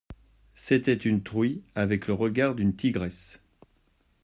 C'était une truie avec le regard d'une tigresse.